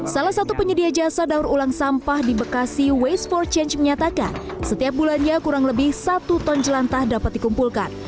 salah satu penyedia jasa daur ulang sampah di bekasi waste for change menyatakan setiap bulannya kurang lebih satu ton jelantah dapat dikumpulkan